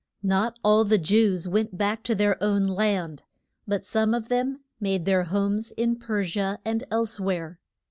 Not all the Jews went back to their own land, but some of them made their homes in Per si a and else where.